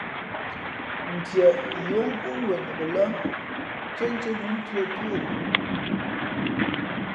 Ntieꞌ yi ǒ kúꞌ wenok lά, ntīēntíé nu tʉ̄ᾱ tú ō.